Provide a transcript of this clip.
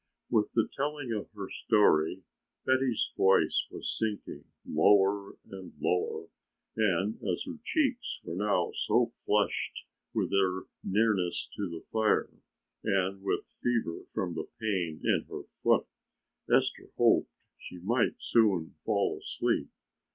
With the telling of her story Betty's voice was sinking lower and lower, and as her cheeks were now so flushed with her nearness to the fire and with fever from the pain in her foot, Esther hoped she might soon fall asleep.